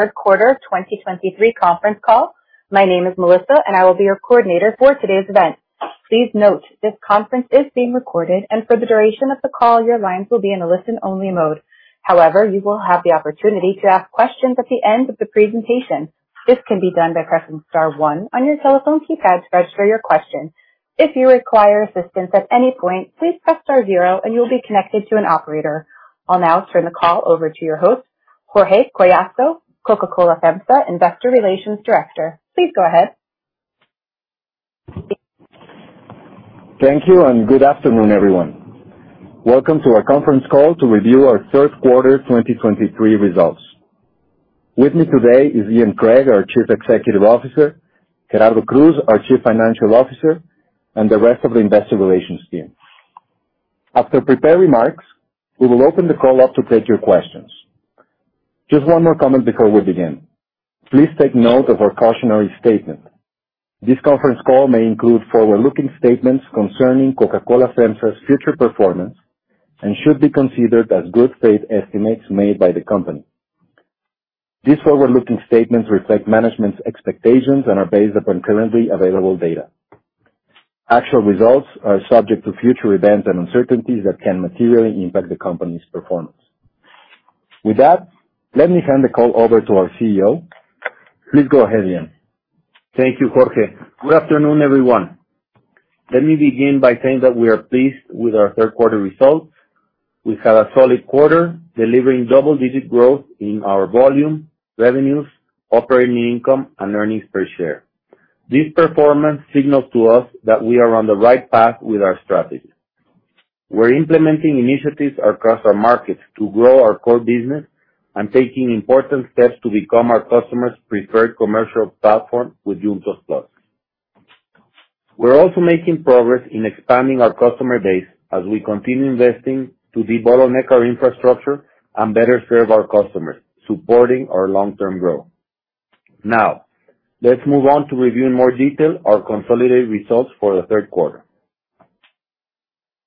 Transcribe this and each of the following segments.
Third quarter of 2023 conference call. My name is Melissa, and I will be your coordinator for today's event. Please note, this conference is being recorded, and for the duration of the call, your lines will be in a listen-only mode. However, you will have the opportunity to ask questions at the end of the presentation. This can be done by pressing star one on your telephone keypad to register your question. If you require assistance at any point, please press star zero and you will be connected to an operator. I'll now turn the call over to your host, Jorge Collazo, Coca-Cola FEMSA Investor Relations Director. Please go ahead. Thank you, and good afternoon, everyone. Welcome to our conference call to review our third quarter 2023 results. With me today is Ian Craig, our Chief Executive Officer, Gerardo Cruz, our Chief Financial Officer, and the rest of the investor relations team. After prepared remarks, we will open the call up to take your questions. Just one more comment before we begin. Please take note of our cautionary statement. This conference call may include forward-looking statements concerning Coca-Cola FEMSA's future performance and should be considered as good faith estimates made by the company. These forward-looking statements reflect management's expectations and are based upon currently available data. Actual results are subject to future events and uncertainties that can materially impact the company's performance. With that, let me hand the call over to our CEO. Please go ahead, Ian. Thank you, Jorge. Good afternoon, everyone. Let me begin by saying that we are pleased with our third quarter results. We had a solid quarter, delivering double-digit growth in our volume, revenues, operating income, and earnings per share. This performance signals to us that we are on the right path with our strategy. We're implementing initiatives across our markets to grow our core business and taking important steps to become our customers' preferred commercial platform with Juntos+. We're also making progress in expanding our customer base as we continue investing to debottleneck our infrastructure and better serve our customers, supporting our long-term growth. Now, let's move on to review in more detail our consolidated results for the third quarter.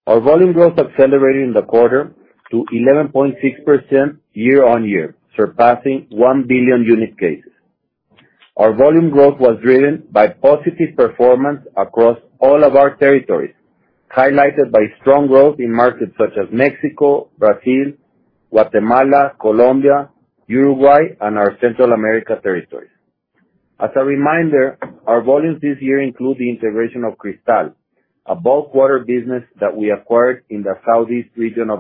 Our volume growth accelerated in the quarter to 11.6% year-on-year, surpassing 1 billion unit cases. Our volume growth was driven by positive performance across all of our territories, highlighted by strong growth in markets such as Mexico, Brazil, Guatemala, Colombia, Uruguay, and our Central America territories. As a reminder, our volumes this year include the integration of Cristal, a bulk water business that we acquired in the southeast region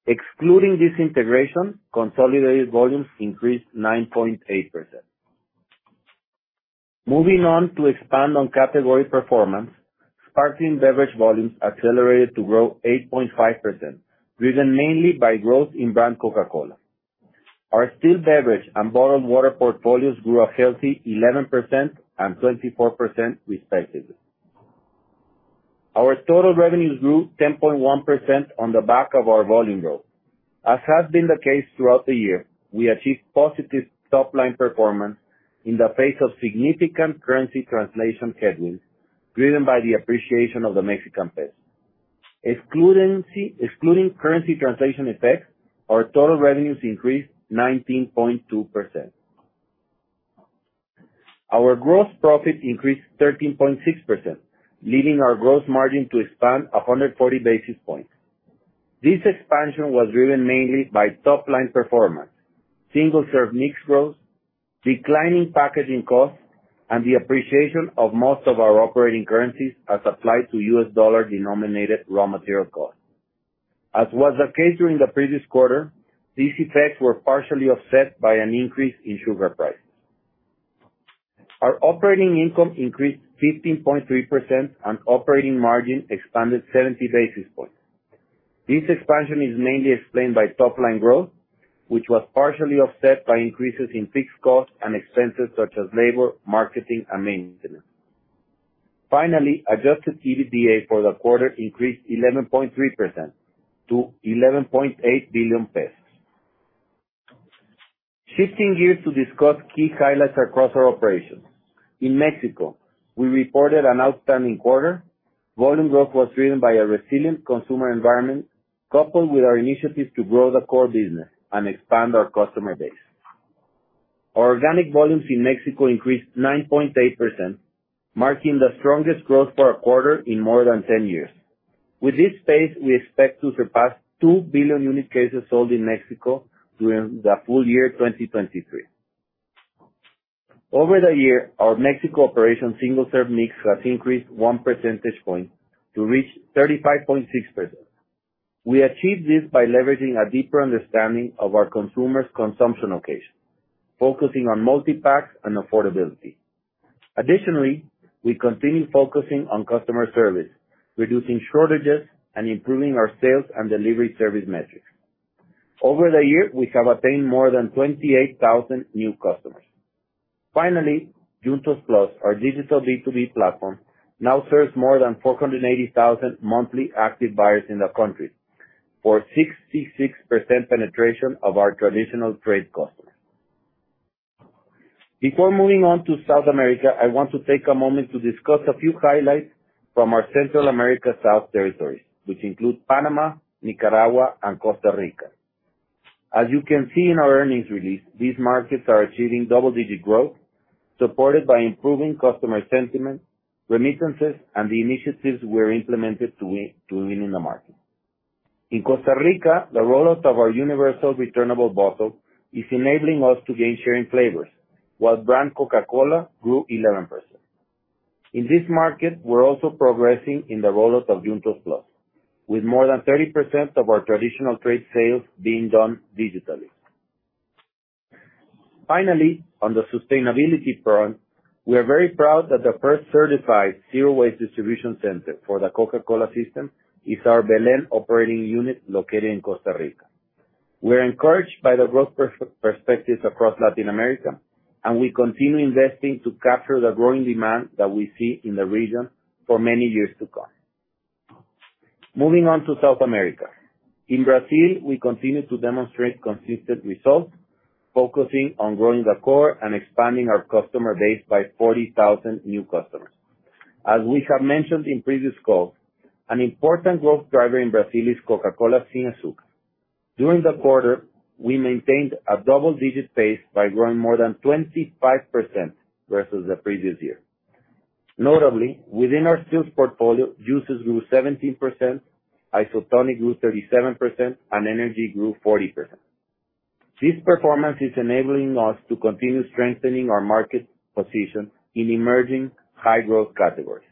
of Mexico. Excluding this integration, consolidated volumes increased 9.8%. Moving on to expand on category performance, sparkling beverage volumes accelerated to grow 8.5%, driven mainly by growth in brand Coca-Cola. Our still beverage and bottled water portfolios grew a healthy 11% and 24%, respectively. Our total revenues grew 10.1% on the back of our volume growth. As has been the case throughout the year, we achieved positive top-line performance in the face of significant currency translation headwinds, driven by the appreciation of the Mexican peso. Excluding currency translation effects, our total revenues increased 19.2%. Our gross profit increased 13.6%, leading our gross margin to expand 140 basis points. This expansion was driven mainly by top-line performance, single-serve mix growth, declining packaging costs, and the appreciation of most of our operating currencies as applied to U.S. dollar-denominated raw material costs. As was the case during the previous quarter, these effects were partially offset by an increase in sugar prices. Our operating income increased 15.3%, and operating margin expanded 70 basis points. This expansion is mainly explained by top-line growth, which was partially offset by increases in fixed costs and expenses such as labor, marketing, and maintenance. Finally, adjusted EBITDA for the quarter increased 11.3% to MXN 11.8 billion. Shifting gears to discuss key highlights across our operations. In Mexico, we reported an outstanding quarter. Volume growth was driven by a resilient consumer environment, coupled with our initiatives to grow the core business and expand our customer base. Our organic volumes in Mexico increased 9.8%, marking the strongest growth for a quarter in more than 10 years. With this pace, we expect to surpass 2 billion unit cases sold in Mexico during the full year 2023. Over the year, our Mexico operation single-serve mix has increased one percentage point to reach 35.6%. We achieved this by leveraging a deeper understanding of our consumers' consumption location, focusing on multi-packs and affordability. Additionally, we continue focusing on customer service, reducing shortages and improving our sales and delivery service metrics. Over the year, we have attained more than 28,000 new customers. Finally, Juntos+, our digital B2B platform, now serves more than 480,000 monthly active buyers in the country, for 66% penetration of our traditional trade customers. Before moving on to South America, I want to take a moment to discuss a few highlights from our Central America South territories, which include Panama, Nicaragua, and Costa Rica. As you can see in our earnings release, these markets are achieving double-digit growth, supported by improving customer sentiment, remittances, and the initiatives we implemented to win, to win in the market. In Costa Rica, the rollout of our universal returnable bottle is enabling us to gain share in flavors, while brand Coca-Cola grew 11%. In this market, we're also progressing in the rollout of Juntos+, with more than 30% of our traditional trade sales being done digitally. Finally, on the sustainability front, we are very proud that the first certified zero-waste distribution center for the Coca-Cola system is our Belén operating unit located in Costa Rica. We're encouraged by the growth perspectives across Latin America, and we continue investing to capture the growing demand that we see in the region for many years to come. Moving on to South America. In Brazil, we continue to demonstrate consistent results, focusing on growing the core and expanding our customer base by 40,000 new customers. As we have mentioned in previous calls, an important growth driver in Brazil is Coca-Cola Sin Azúcar. During the quarter, we maintained a double-digit pace by growing more than 25% versus the previous year. Notably, within our sales portfolio, juices grew 17%, isotonic grew 37%, and energy grew 40%. This performance is enabling us to continue strengthening our market position in emerging high-growth categories.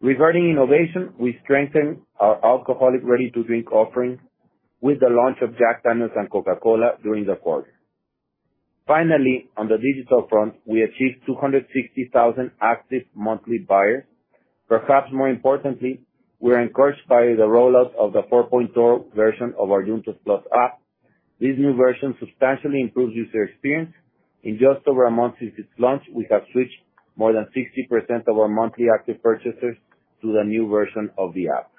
Regarding innovation, we strengthened our alcoholic ready-to-drink offering with the launch of Jack Daniel's and Coca-Cola during the quarter. Finally, on the digital front, we achieved 260,000 active monthly buyers. Perhaps more importantly, we are encouraged by the rollout of the 4.0 version of our Juntos+ app. This new version substantially improves user experience. In just over a month since its launch, we have switched more than 60% of our monthly active purchasers to the new version of the app.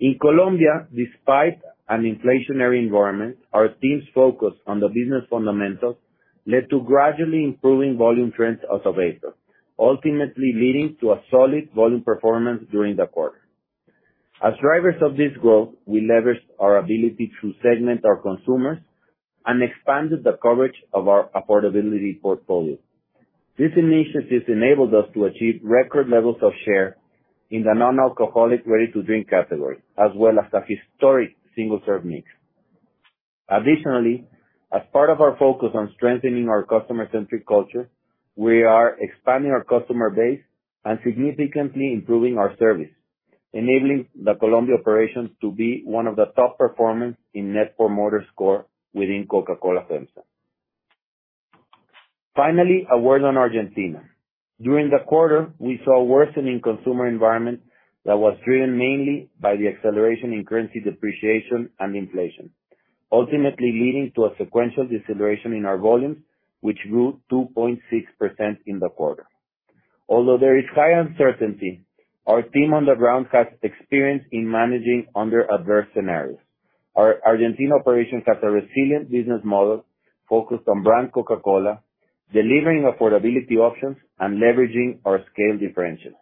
In Colombia, despite an inflationary environment, our team's focus on the business fundamentals led to gradually improving volume trends out of base, ultimately leading to a solid volume performance during the quarter. As drivers of this growth, we leveraged our ability to segment our consumers and expanded the coverage of our affordability portfolio. These initiatives enabled us to achieve record levels of share in the non-alcoholic ready to drink category, as well as a historic single-serve mix. Additionally, as part of our focus on strengthening our customer-centric culture, we are expanding our customer base and significantly improving our service, enabling the Colombia operations to be one of the top performers in Net Promoter Score within Coca-Cola FEMSA. Finally, a word on Argentina. During the quarter, we saw a worsening consumer environment that was driven mainly by the acceleration in currency depreciation and inflation, ultimately leading to a sequential deceleration in our volumes, which grew 2.6% in the quarter. Although there is high uncertainty, our team on the ground has experience in managing under adverse scenarios. Our Argentine operations have a resilient business model focused on brand Coca-Cola, delivering affordability options and leveraging our scale differential.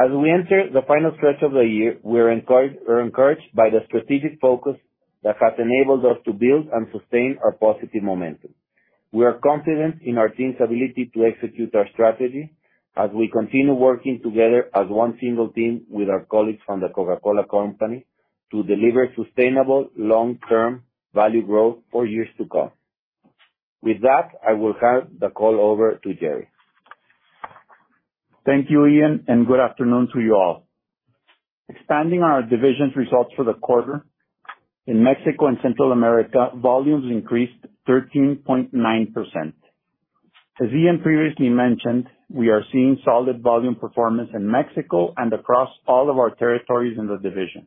As we enter the final stretch of the year, we're encouraged, we're encouraged by the strategic focus that has enabled us to build and sustain our positive momentum. We are confident in our team's ability to execute our strategy as we continue working together as one single team with our colleagues from the Coca-Cola Company, to deliver sustainable, long-term value growth for years to come. With that, I will hand the call over to Gerry. Thank you, Ian, and good afternoon to you all. Expanding on our division's results for the quarter, in Mexico and Central America, volumes increased 13.9%. As Ian previously mentioned, we are seeing solid volume performance in Mexico and across all of our territories in the division.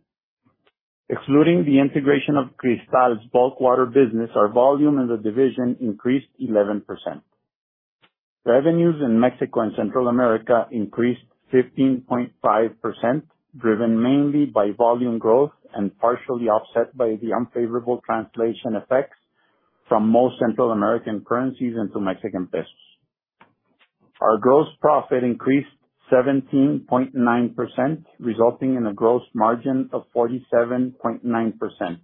Excluding the integration of Cristal's bulk water business, our volume in the division increased 11%. Revenues in Mexico and Central America increased 15.5%, driven mainly by volume growth and partially offset by the unfavorable translation effects from most Central American currencies into Mexican pesos. Our gross profit increased 17.9%, resulting in a gross margin of 47.9%,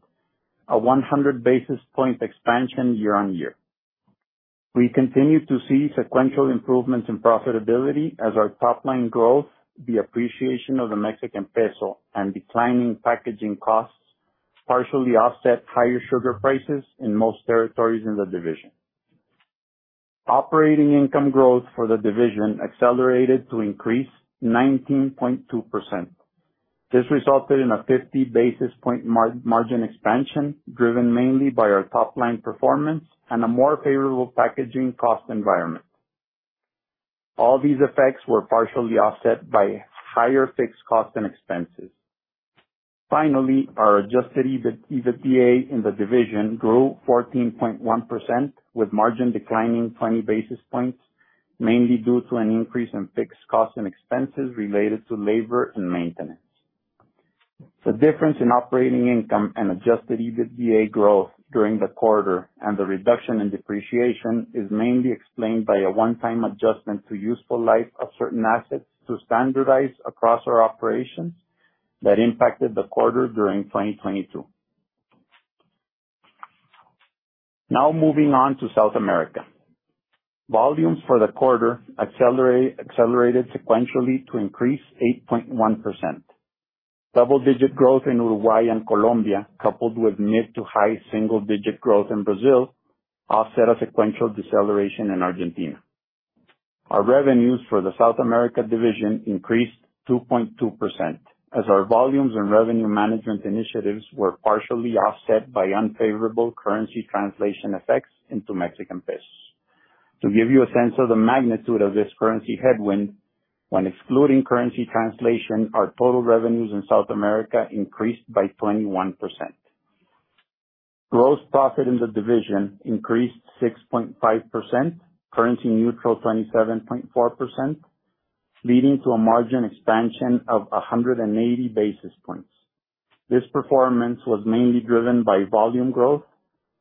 a 100 basis point expansion year-on-year. We continue to see sequential improvements in profitability as our top-line growth, the appreciation of the Mexican peso, and declining packaging costs partially offset higher sugar prices in most territories in the division. Operating income growth for the division accelerated to increase 19.2%. This resulted in a 50 basis points margin expansion, driven mainly by our top-line performance and a more favorable packaging cost environment. All these effects were partially offset by higher fixed costs and expenses. Finally, our adjusted EBIT, EBITDA in the division grew 14.1%, with margin declining 20 basis points, mainly due to an increase in fixed costs and expenses related to labor and maintenance. The difference in operating income and adjusted EBITDA growth during the quarter and the reduction in depreciation is mainly explained by a one-time adjustment to useful life of certain assets to standardize across our operations that impacted the quarter during 2022. Now moving on to South America. Volumes for the quarter accelerated sequentially to increase 8.1%. Double-digit growth in Uruguay and Colombia, coupled with mid- to high-single-digit growth in Brazil, offset a sequential deceleration in Argentina. Our revenues for the South America division increased 2.2%, as our volumes and revenue management initiatives were partially offset by unfavorable currency translation effects into Mexican pesos. To give you a sense of the magnitude of this currency headwind, when excluding currency translation, our total revenues in South America increased by 21%. Gross profit in the division increased 6.5%, currency neutral, 27.4%, leading to a margin expansion of 100 basis points. This performance was mainly driven by volume growth,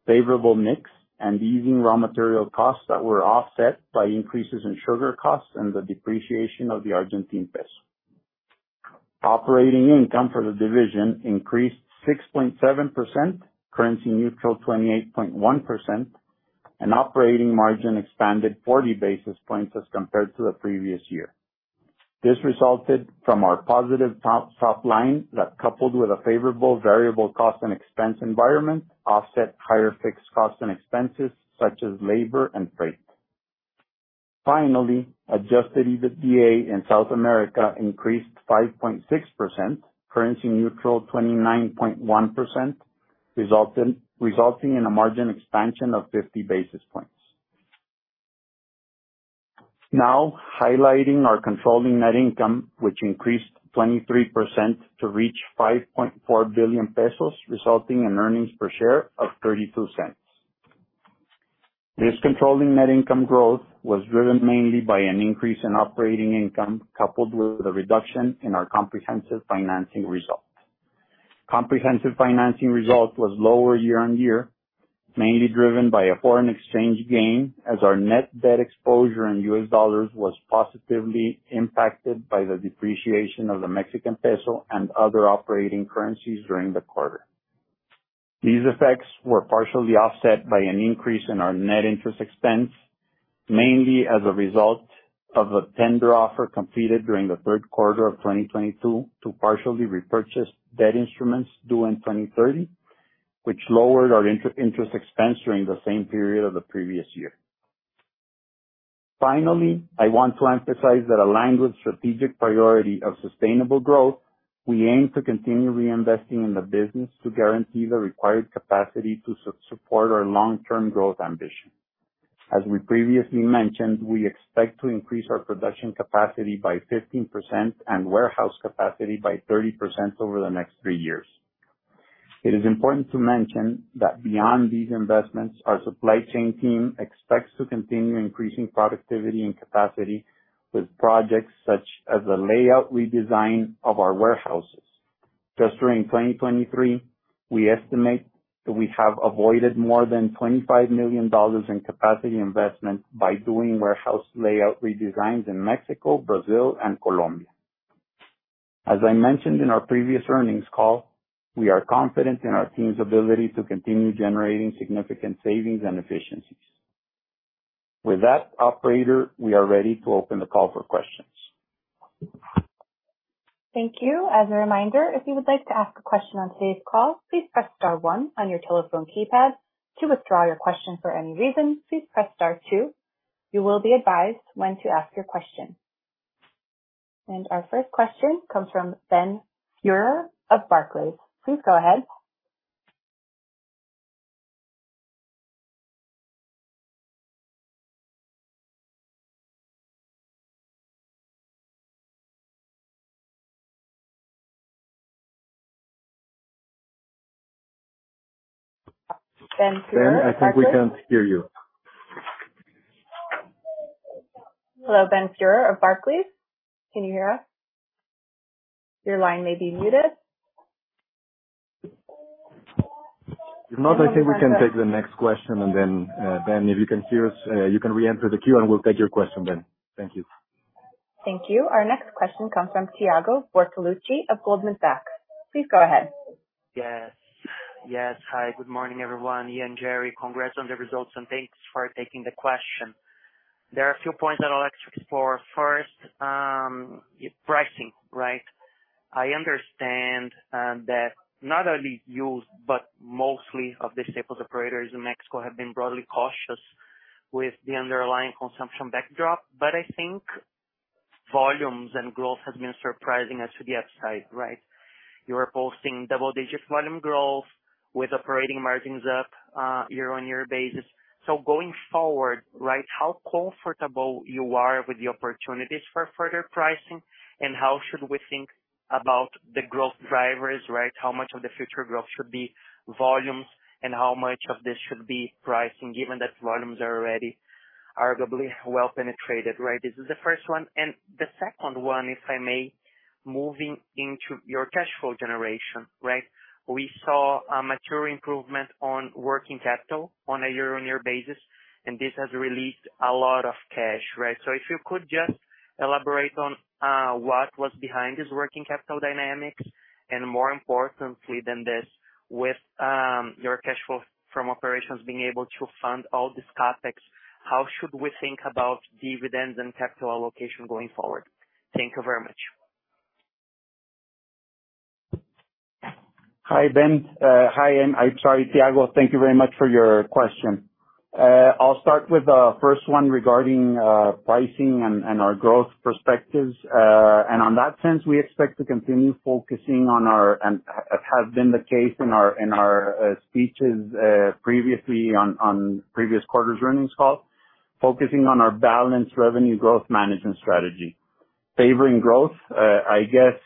favorable mix, and easing raw material costs that were offset by increases in sugar costs and the depreciation of the Argentine peso. Operating income for the division increased 6.7%, currency neutral, 28.1%, and operating margin expanded 40 basis points as compared to the previous year. This resulted from our positive top line that, coupled with a favorable variable cost and expense environment, offset higher fixed costs and expenses such as labor and freight. Finally, adjusted EBITDA in South America increased 5.6%, currency neutral, 29.1%, resulting in a margin expansion of 50 basis points. Now highlighting our controlling net income, which increased 23% to reach 5.4 billion pesos, resulting in earnings per share of 0.32. This controlling net income growth was driven mainly by an increase in operating income, coupled with a reduction in our comprehensive financing results. Comprehensive financing results was lower year-on-year, mainly driven by a foreign exchange gain, as our net debt exposure in U.S. dollars was positively impacted by the depreciation of the Mexican peso and other operating currencies during the quarter. These effects were partially offset by an increase in our net interest expense, mainly as a result of a tender offer completed during the third quarter of 2022 to partially repurchase debt instruments due in 2030, which lowered our interest expense during the same period of the previous year. Finally, I want to emphasize that aligned with strategic priority of sustainable growth, we aim to continue reinvesting in the business to guarantee the required capacity to support our long-term growth ambition. As we previously mentioned, we expect to increase our production capacity by 15% and warehouse capacity by 30% over the next three years. It is important to mention that beyond these investments, our supply chain team expects to continue increasing productivity and capacity with projects such as the layout redesign of our warehouses. Just during 2023, we estimate that we have avoided more than $25 million in capacity investment by doing warehouse layout redesigns in Mexico, Brazil, and Colombia. As I mentioned in our previous earnings call, we are confident in our team's ability to continue generating significant savings and efficiencies. With that, operator, we are ready to open the call for questions. Thank you. As a reminder, if you would like to ask a question on today's call, please press star one on your telephone keypad. To withdraw your question for any reason, please press star two. You will be advised when to ask your question. Our first question comes from Ben Theurer of Barclays. Please go ahead. Ben Theurer? Ben, I think we can't hear you. Hello, Ben Theurer of Barclays, can you hear us? Your line may be muted. If not, I think we can take the next question, and then, Ben, if you can hear us, you can reenter the queue, and we'll take your question, Ben. Thank you. Thank you. Our next question comes from Thiago Bortoluci of Goldman Sachs. Please go ahead. Yes. Yes. Hi, good morning, everyone. Ian, Gerry, congrats on the results, and thanks for taking the question. There are a few points that I'd like to explore. First, pricing, right? I understand that not only you, but mostly of the staples operators in Mexico, have been broadly cautious with the underlying consumption backdrop, but I think volumes and growth has been surprising as to the upside, right? You are posting double-digit volume growth with operating margins up year-on-year basis. So going forward, right, how comfortable you are with the opportunities for further pricing, and how should we think about the growth drivers, right? How much of the future growth should be volumes, and how much of this should be pricing, given that volumes are already arguably well penetrated, right? This is the first one, and the second one, if I may, moving into your cash flow generation, right? We saw a mature improvement on working capital on a year-on-year basis, and this has released a lot of cash, right? So if you could just elaborate on, what was behind this working capital dynamics, and more importantly than this, with, your cash flow from operations being able to fund all this CapEx, how should we think about dividends and capital allocation going forward? Thank you very much. Hi, Ben. Hi, and I'm sorry, Thiago, thank you very much for your question. I'll start with the first one regarding pricing and our growth perspectives. And in that sense, we expect to continue focusing on our, and as has been the case in our speeches previously on previous quarters earnings call, focusing on our balanced revenue growth management strategy. Favoring growth, I guess,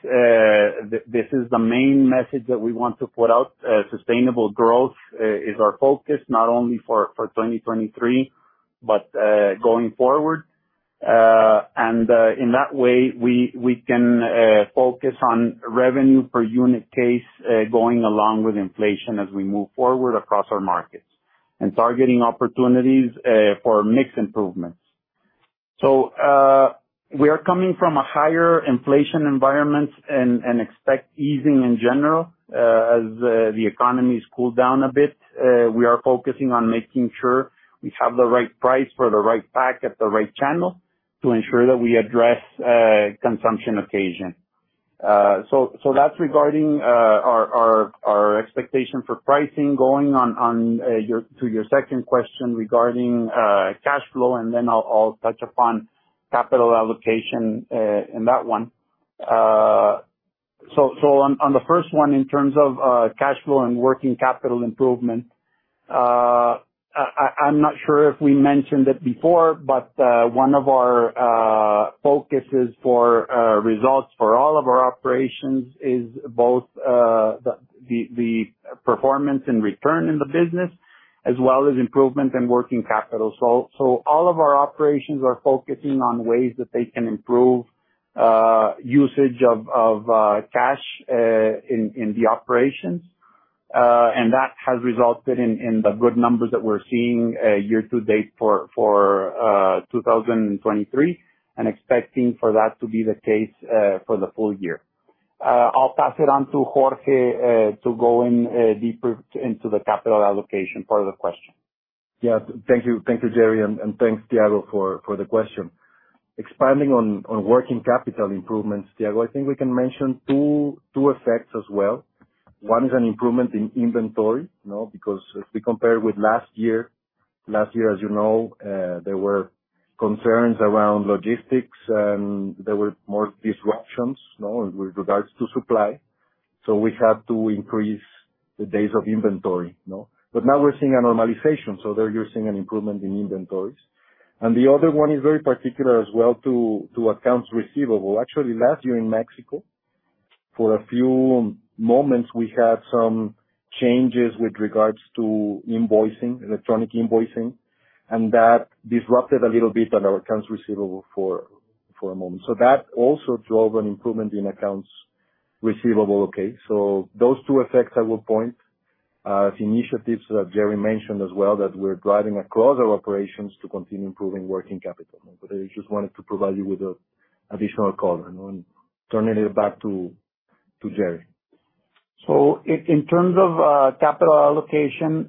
this is the main message that we want to put out. Sustainable growth is our focus, not only for 2023, but going forward. And in that way, we can focus on revenue per unit case, going along with inflation as we move forward across our markets, and targeting opportunities for mix improvements. So, we are coming from a higher inflation environment and, and expect easing in general, as the economy cool down a bit. We are focusing on making sure we have the right price for the right pack at the right channel, to ensure that we address consumption occasion. So, so that's regarding our, our, our expectation for pricing. Going on, on, your- to your second question regarding cash flow, and then I'll, I'll touch upon capital allocation in that one. So, on the first one, in terms of cash flow and working capital improvement, I'm not sure if we mentioned it before, but one of our focuses for results for all of our operations is both the performance and return in the business, as well as improvement in working capital. So all of our operations are focusing on ways that they can improve usage of cash in the operations. And that has resulted in the good numbers that we're seeing year to date for 2023, and expecting for that to be the case for the full year. I'll pass it on to Jorge to go in deeper into the capital allocation part of the question. Yeah. Thank you. Thank you, Gerry, and thanks, Thiago, for the question. Expanding on working capital improvements, Thiago, I think we can mention two effects as well. One is an improvement in inventory, you know, because if we compare with last year, last year, as you know, there were concerns around logistics, and there were more disruptions, you know, with regards to supply. So we had to increase the days of inventory, you know, but now we're seeing a normalization, so they're using an improvement in inventories. And the other one is very particular as well to accounts receivable. Actually, last year in Mexico, for a few moments, we had some changes with regards to invoicing, electronic invoicing, and that disrupted a little bit on our accounts receivable for a moment. So that also drove an improvement in accounts receivable, okay? So those two effects, I will point, the initiatives that Gerry mentioned as well, that we're driving across our operations to continue improving working capital. But I just wanted to provide you with an additional color, and turning it back to Gerry. So in terms of capital allocation,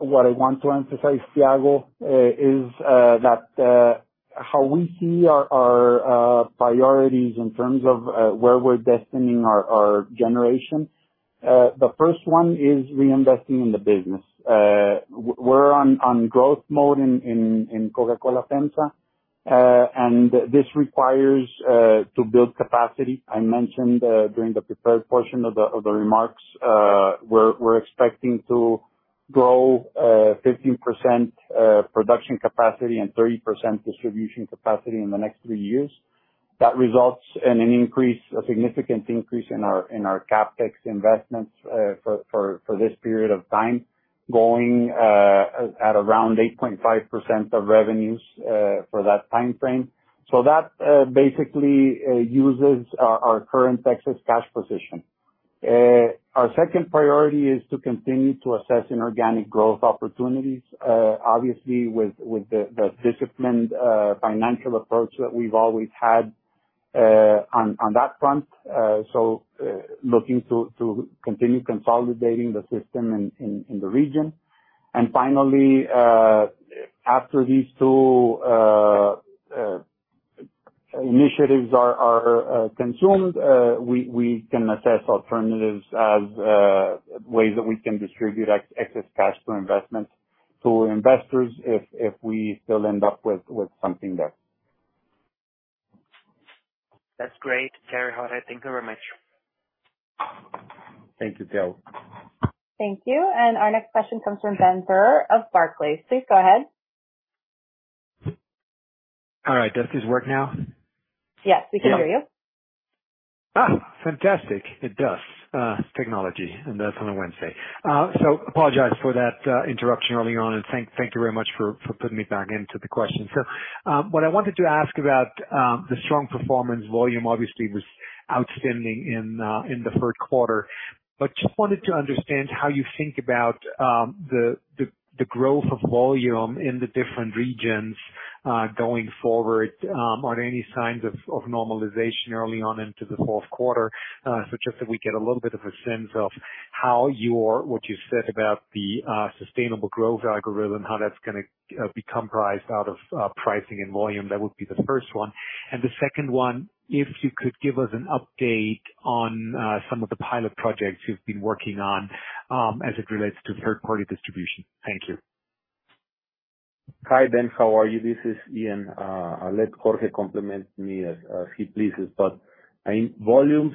what I want to emphasize, Thiago, is that how we see our priorities in terms of where we're destining our generation. The first one is reinvesting in the business. We're on growth mode in Coca-Cola FEMSA, and this requires to build capacity. I mentioned during the prepared portion of the remarks, we're expecting to grow 15% production capacity and 30% distribution capacity in the next three years. That results in an increase, a significant increase in our CapEx investments for this period of time, growing at around 8.5% of revenues for that time frame. So that basically uses our current excess cash position. Our second priority is to continue to assess inorganic growth opportunities, obviously, with the disciplined financial approach that we've always had on that front. So, looking to continue consolidating the system in the region. And finally, after these two initiatives are consumed, we can assess alternatives as ways that we can distribute excess cash to investors, if we still end up with something there. That's great, Gerry, Jorge. Thank you very much. Thank you, Thiago. Thank you. Our next question comes from Ben Theurer of Barclays. Please go ahead. All right. Does this work now? Yes, we can hear you. Ah, fantastic! It does, technology, and that's on a Wednesday. So apologize for that, interruption early on, and thank you very much for putting me back into the question. So, what I wanted to ask about, the strong performance volume obviously was outstanding in the third quarter, but just wanted to understand how you think about the growth of volume in the different regions going forward. Are there any signs of normalization early on into the fourth quarter? So just that we get a little bit of a sense of how your what you said about the sustainable growth algorithm, how that's gonna be comprised out of pricing and volume. That would be the first one. The second one, if you could give us an update on some of the pilot projects you've been working on, as it relates to third-party distribution. Thank you. Hi, Ben. How are you? This is Ian. I'll let Jorge compliment me as he pleases. But in volumes,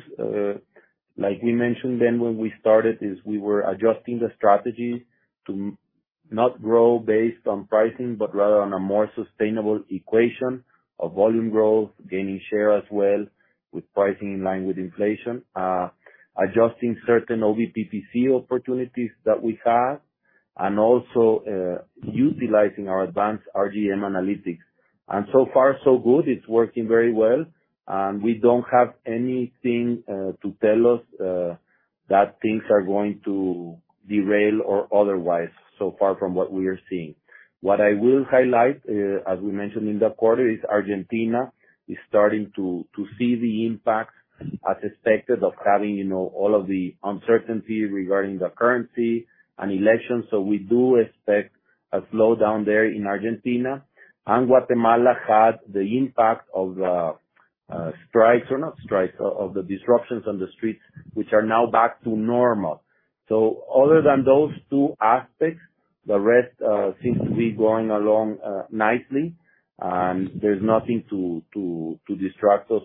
like we mentioned, Ben, when we started, is we were adjusting the strategy to not grow based on pricing, but rather on a more sustainable equation of volume growth, gaining share as well, with pricing in line with inflation. Adjusting certain OBPPC opportunities that we had, and also utilizing our advanced RGM analytics. And so far, so good. It's working very well, and we don't have anything to tell us that things are going to derail or otherwise, so far from what we are seeing. What I will highlight, as we mentioned in the quarter, is Argentina is starting to see the impact as expected of having, you know, all of the uncertainty regarding the currency and elections. So we do expect a slowdown there in Argentina. And Guatemala had the impact of the strikes, or not strikes, of the disruptions on the streets, which are now back to normal. So other than those two aspects, the rest seems to be going along nicely, and there's nothing to distract us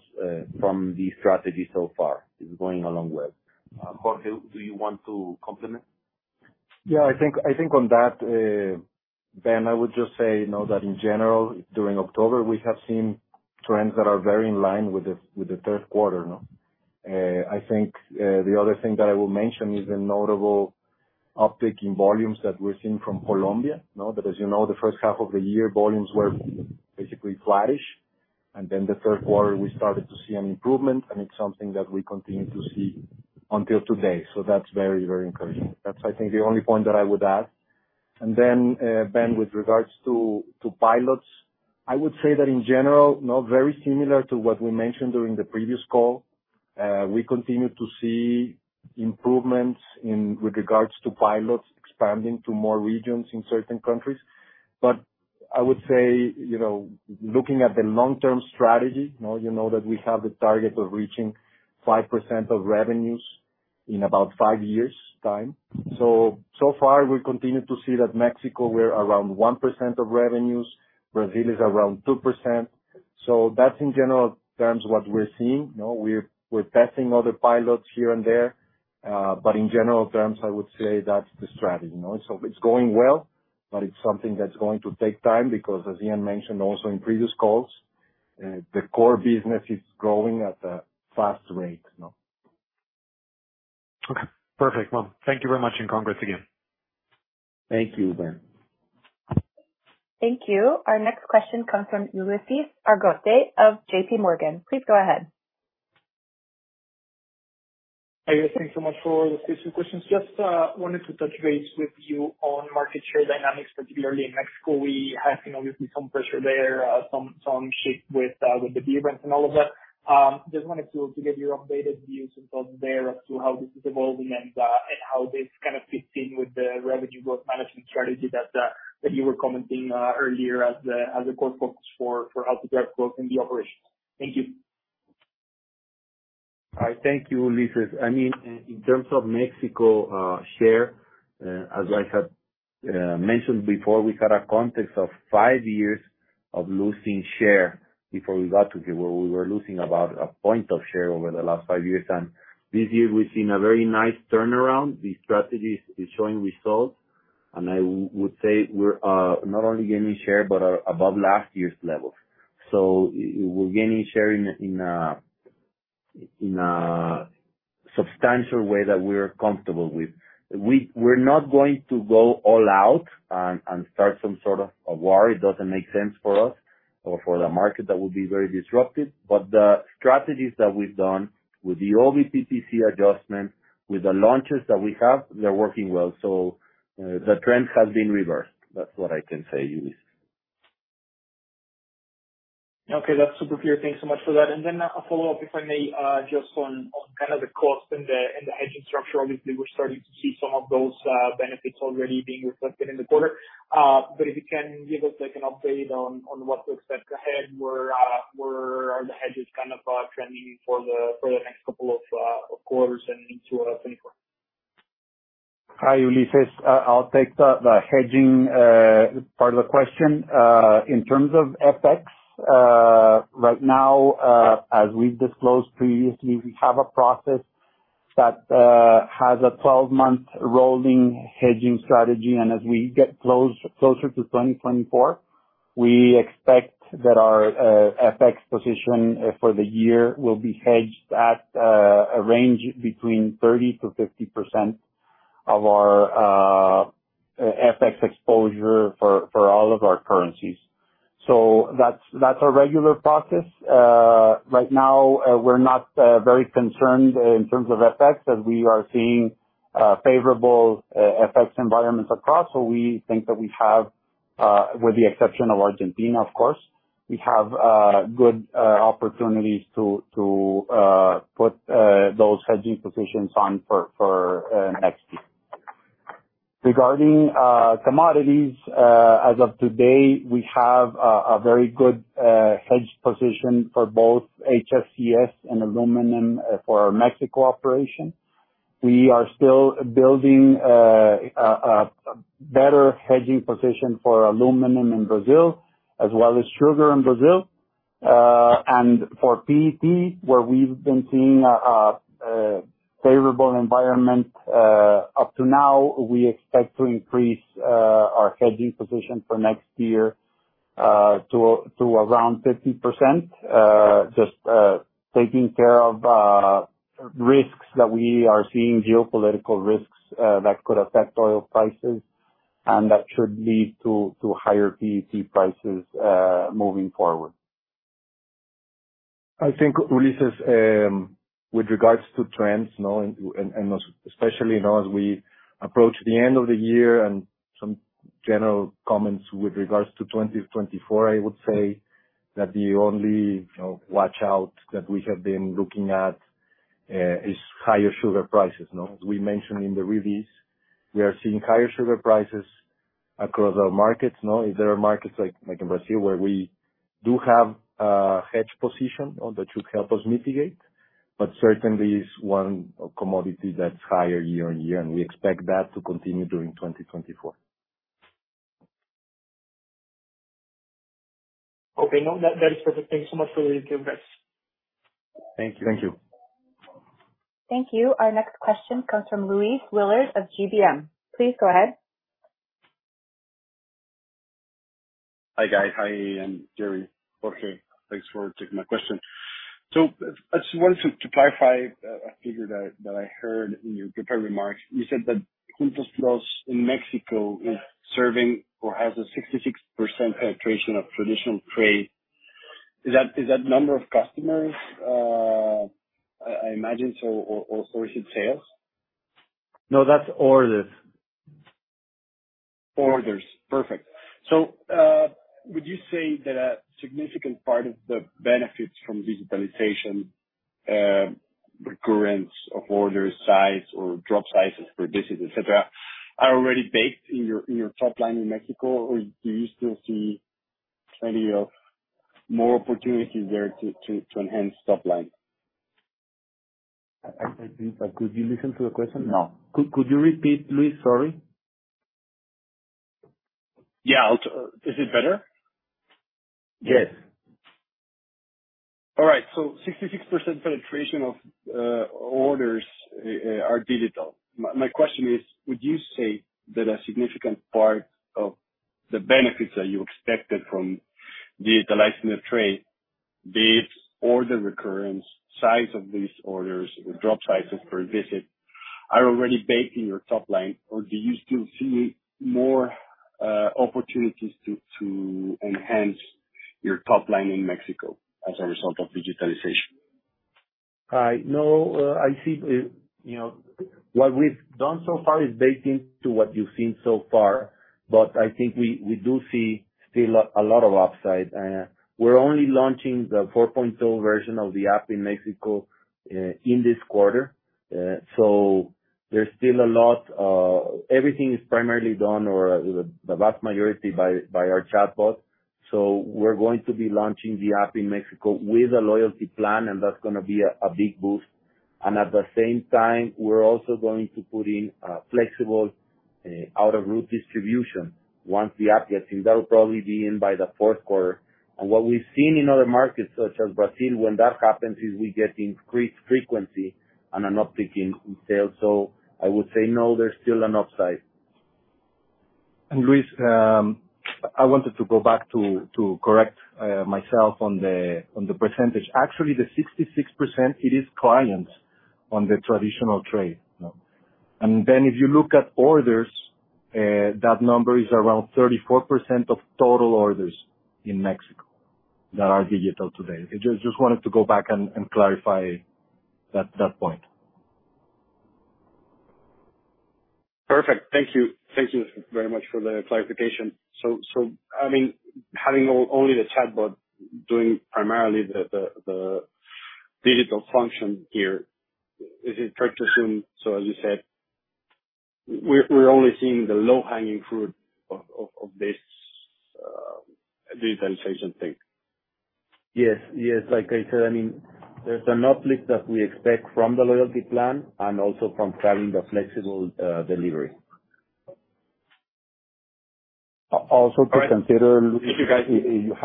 from the strategy so far. It's going a long way. Jorge, do you want to complement? Yeah, I think, I think on that, Ben, I would just say, you know, that in general, during October, we have seen trends that are very in line with the, with the third quarter, no? I think, the other thing that I will mention is the notable uptick in volumes that we're seeing from Colombia, no? Because, you know, the first half of the year, volumes were basically flattish, and then the third quarter, we started to see an improvement, and it's something that we continue to see until today. So that's very, very encouraging. That's, I think, the only point that I would add. Then, Ben, with regards to pilots, I would say that, in general, no, very similar to what we mentioned during the previous call, we continue to see improvements in with regards to pilots expanding to more regions in certain countries. But I would say, you know, looking at the long-term strategy, you know that we have the target of reaching 5% of revenues in about five years' time. So far, we continue to see that Mexico, we're around 1% of revenues. Brazil is around 2%. So that's in general terms what we're seeing, you know, we're testing other pilots here and there, but in general terms, I would say that's the strategy, you know. So it's going well, but it's something that's going to take time because, as Ian mentioned also in previous calls, the core business is growing at a fast rate, you know. Okay, perfect. Well, thank you very much, and congrats again. Thank you, Ben. Thank you. Our next question comes from Ulises Argote of JPMorgan. Please go ahead. Hey, guys, thank you so much for the space for questions. Just wanted to touch base with you on market share dynamics, particularly in Mexico. We have seen obviously some pressure there, some shift with the beer brands and all of that. Just wanted to get your updated views and thoughts there as to how this is evolving and how this kind of fits in with the revenue growth management strategy that you were commenting earlier as the core focus for how to drive growth in the operations. Thank you. All right. Thank you, Ulises. I mean, in terms of Mexico, share, as I had mentioned before, we had a context of five years of losing share before we got to where we were losing about a point of share over the last five years. And this year we've seen a very nice turnaround. The strategy is showing results, and I would say we're not only gaining share, but are above last year's level. So we're gaining share in a substantial way that we're comfortable with. We're not going to go all out and start some sort of a war. It doesn't make sense for us or for the market. That would be very disruptive. But the strategies that we've done with the OBPPC adjustment, with the launches that we have, they're working well. The trend has been reversed. That's what I can say, Ulises. Okay, that's super clear. Thanks so much for that. And then a follow-up, if I may, just on kind of the cost and the hedging structure. Obviously, we're starting to see some of those benefits already being reflected in the quarter. But if you can give us, like, an update on what to expect ahead, where are the hedges kind of trending for the next couple of quarters and into 2024? Hi, Ulises. I'll take the hedging part of the question. In terms of FX, right now, as we've disclosed previously, we have a process- That has a 12-month rolling hedging strategy, and as we get close, closer to 2024, we expect that our FX position for the year will be hedged at a range between 30%-50% of our FX exposure for all of our currencies. So that's our regular process. Right now, we're not very concerned in terms of FX, as we are seeing favorable FX environments across. So we think that we have, with the exception of Argentina, of course, we have good opportunities to put those hedging positions on for next year. Regarding commodities, as of today, we have a very good hedge position for both HFCS and aluminum for our Mexico operation. We are still building a better hedging position for aluminum in Brazil, as well as sugar in Brazil. For PET, where we've been seeing a favorable environment up to now, we expect to increase our hedging position for next year to around 50%. Just taking care of risks that we are seeing, geopolitical risks, that could affect oil prices, and that should lead to higher PET prices moving forward. I think, Ulises, with regards to trends, no, and most especially, you know, as we approach the end of the year and some general comments with regards to 2024, I would say that the only, you know, watch-out that we have been looking at, is higher sugar prices. Now, as we mentioned in the release, we are seeing higher sugar prices across our markets, no? There are markets like in Brazil, where we do have a hedge position that should help us mitigate, but certainly is one commodity that's higher year on year, and we expect that to continue during 2024. Okay. No, that, that is perfect. Thank you so much for your advice. Thank you. Thank you. Thank you. Our next question comes from Luis Willard of GBM. Please go ahead. Hi, guys. Hi, Gerry, Jorge. Thanks for taking my question. So I just wanted to clarify a figure that I heard in your prepared remarks. You said that Juntos+, in Mexico, is serving or has a 66% penetration of traditional trade. Is that, is that number of customers? I imagine so, or is it sales? No, that's orders. Orders. Perfect. So, would you say that a significant part of the benefits from digitalization, recurrence of order size, or drop sizes per visit, et cetera, are already baked in your top line in Mexico, or do you still see any more opportunities there to enhance top line? I think, could you listen to the question? No. Could you repeat, Luis? Sorry. Yeah. I'll, is it better? Yes. All right. So 66% penetration of orders are digital. My, my question is: would you say that a significant part of the benefits that you expected from digitalizing the trade, be it order recurrence, size of these orders, or drop sizes per visit, are already baked in your top line, or do you still see more opportunities to enhance your top line in Mexico as a result of digitalization? No, I see, you know, what we've done so far is baking to what you've seen so far, but I think we do see still a lot of upside. We're only launching the 4.0 version of the app in Mexico in this quarter. So there's still a lot, everything is primarily done or the vast majority by our chatbot. So we're going to be launching the app in Mexico with a loyalty plan, and that's gonna be a big boost. And at the same time, we're also going to put in a flexible out-of-route distribution once the app gets in. That'll probably be in by the fourth quarter. And what we've seen in other markets, such as Brazil, when that happens, is we get increased frequency and an uptick in sales. I would say, no, there's still an upside. Luis, I wanted to go back to correct myself on the percentage. Actually, the 66%, it is clients on the traditional trade. No. And then if you look at orders, that number is around 34% of total orders in Mexico that are digital today. I just wanted to go back and clarify that point. Perfect. Thank you. Thank you very much for the clarification. So, I mean, having only the chatbot doing primarily the digital function here, is it fair to assume, so as you said, we're only seeing the low-hanging fruit of this digitalization thing? Yes. Yes, like I said, I mean, there's an uplift that we expect from the loyalty plan and also from having the flexible delivery. Also to consider, you guys, you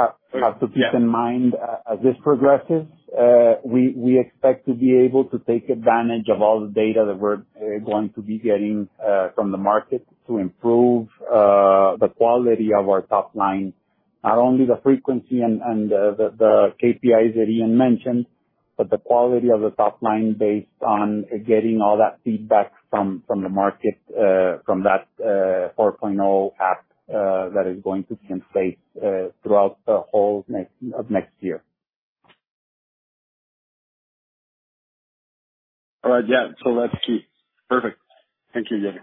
have to keep in mind as this progresses, we expect to be able to take advantage of all the data that we're going to be getting from the market to improve the quality of our top line. Not only the frequency and the KPIs that Ian mentioned, but the quality of the top line based on getting all that feedback from the market from that four point app that is going to be in place throughout the whole of next year. All right. Yeah, so that's key. Perfect. Thank you, Gerardo.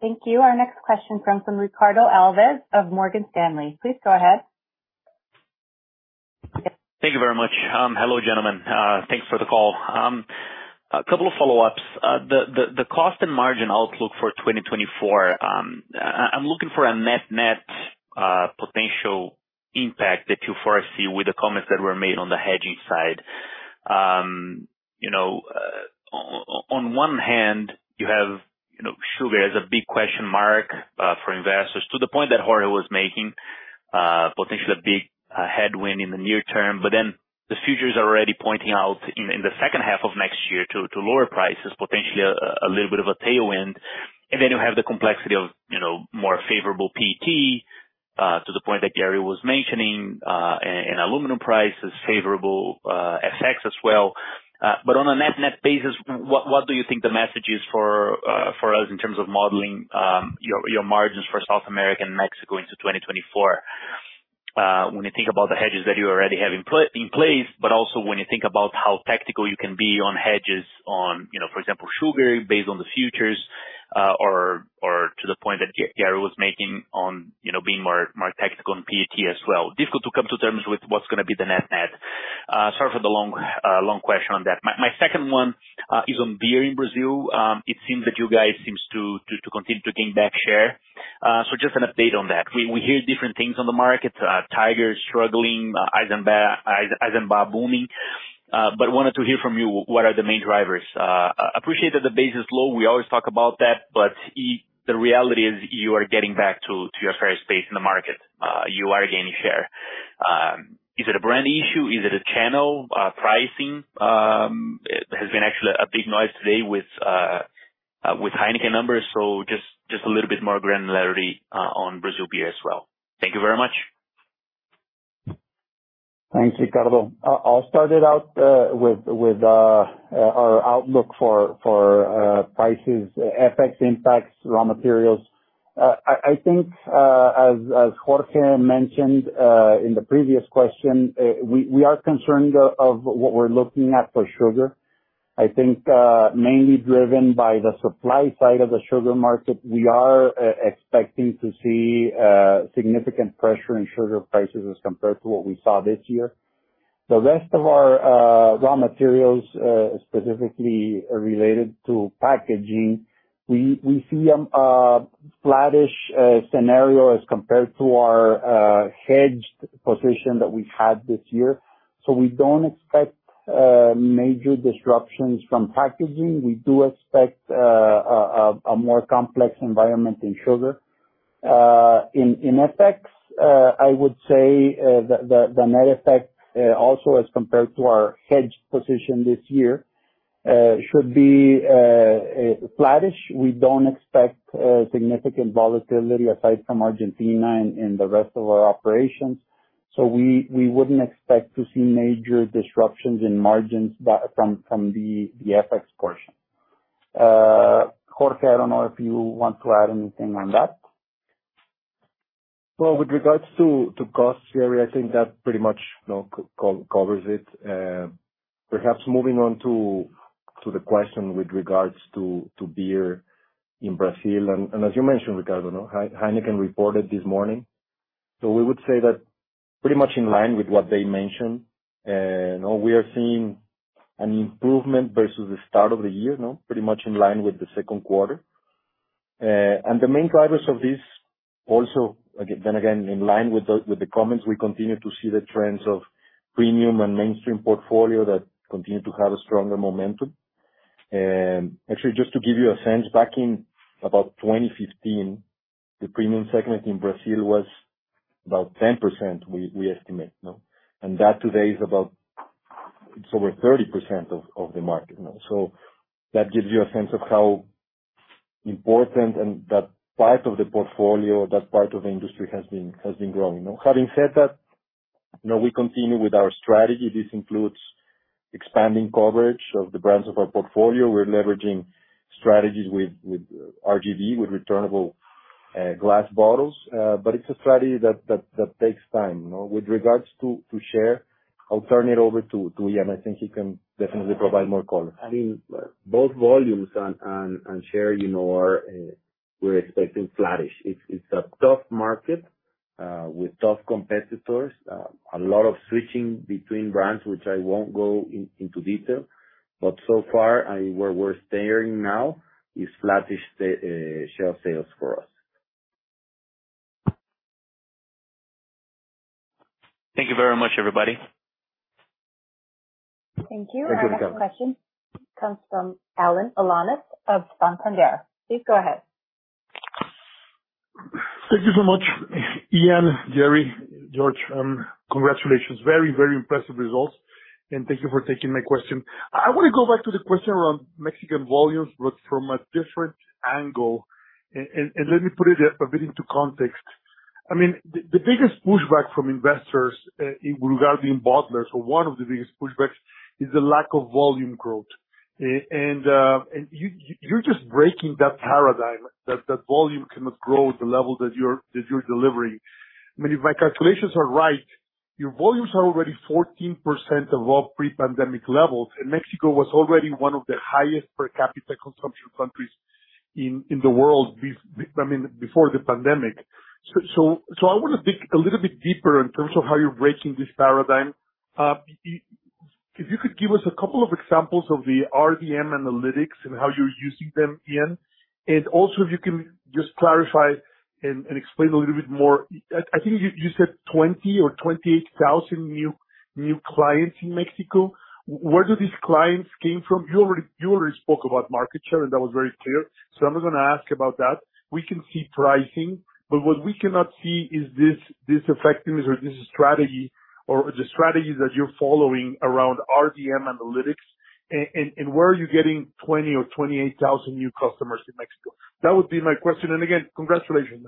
Thank you. Our next question comes from Ricardo Alves of Morgan Stanley. Please go ahead. Thank you very much. Hello, gentlemen. Thanks for the call. A couple of follow-ups. The cost and margin outlook for 2024, I'm looking for a net-net potential impact that you foresee with the comments that were made on the hedging side. You know, on one hand, you have, you know, sugar as a big question mark for investors to the point that Jorge was making potentially a big headwind in the near term. But then the futures are already pointing out in the second half of next year to lower prices, potentially a little bit of a tailwind. And then you have the complexity of, you know, more favorable PET to the point that Gerardo was mentioning, and aluminum price is favorable, FX as well. But on a net-net basis, what do you think the message is for us in terms of modeling your margins for South America and Mexico into 2024? When you think about the hedges that you already have in place, but also when you think about how tactical you can be on hedges, you know, for example, sugar based on the futures, or to the point that Gerardo was making on, you know, being more tactical on PET as well. Difficult to come to terms with what's gonna be the net-net. Sorry for the long question on that. My second one is on beer in Brazil. It seems that you guys seem to continue to gain back share. So just an update on that. We hear different things on the market, Tiger is struggling, Eisenbahn booming. But wanted to hear from you, what are the main drivers? Appreciate that the base is low, we always talk about that, but the reality is you are getting back to your fair space in the market. You are gaining share. Is it a brand issue? Is it a channel? Pricing has been actually a big noise today with Heineken numbers. So just a little bit more granularity on Brazil beer as well. Thank you very much. Thanks, Ricardo. I'll start it out with our outlook for prices, FX impacts, raw materials. I think, as Jorge mentioned, in the previous question, we are concerned of what we're looking at for sugar. I think, mainly driven by the supply side of the sugar market. We are expecting to see significant pressure in sugar prices as compared to what we saw this year. The rest of our raw materials, specifically related to packaging, we see a flattish scenario as compared to our hedged position that we had this year. So we don't expect major disruptions from packaging. We do expect a more complex environment in sugar. In FX, I would say, the net effect, also as compared to our hedged position this year, should be flattish. We don't expect significant volatility aside from Argentina in the rest of our operations. So we wouldn't expect to see major disruptions in margins from the FX portion. Jorge, I don't know if you want to add anything on that? Well, with regards to cost, Gary, I think that pretty much, you know, covers it. Perhaps moving on to the question with regards to beer in Brazil, and as you mentioned, Ricardo, Heineken reported this morning. So we would say that pretty much in line with what they mentioned, you know, we are seeing an improvement versus the start of the year, you know, pretty much in line with the second quarter. And the main drivers of this also, again, in line with the comments, we continue to see the trends of premium and mainstream portfolio that continue to have a stronger momentum. Actually, just to give you a sense, back in about 2015, the premium segment in Brazil was about 10%, we estimate, you know, and that today is about, it's over 30% of the market. So that gives you a sense of how important and that part of the portfolio, that part of the industry has been growing. You know, having said that, you know, we continue with our strategy. This includes expanding coverage of the brands of our portfolio. We're leveraging strategies with RGM, with returnable glass bottles. But it's a strategy that takes time, you know. With regards to share, I'll turn it over to Ian. I think he can definitely provide more color. I mean, both volumes and share, you know, are, we're expecting flattish. It's a tough market with tough competitors. A lot of switching between brands, which I won't go into detail, but so far, and where we're standing now is flattish share sales for us. Thank you very much, everybody. Thank you. Thank you. Our next question comes from Alan Alanis of Santander. Please go ahead. Thank you so much, Ian, Gerry, Jorge, congratulations. Very, very impressive results, and thank you for taking my question. I want to go back to the question around Mexican volumes, but from a different angle, and, and, let me put it a bit into context. I mean, the biggest pushback from investors regarding bottlers or one of the biggest pushbacks is the lack of volume growth. And you you're just breaking that paradigm that volume cannot grow at the level that you're delivering. I mean, if my calculations are right, your volumes are already 14% above pre-pandemic levels, and Mexico was already one of the highest per capita consumption countries in the world. I mean, before the pandemic. So I want to dig a little bit deeper in terms of how you're breaking this paradigm. If you could give us a couple of examples of the RGM analytics and how you're using them, Ian, and also if you can just clarify and explain a little bit more. I think you said 20 or 28,000 new clients in Mexico. Where do these clients came from? You already spoke about market share, and that was very clear, so I'm not gonna ask about that. We can see pricing, but what we cannot see is this effectiveness or this strategy or the strategy that you're following around RGM analytics, and where are you getting 20 or 28,000 new customers in Mexico? That would be my question, and again, congratulations.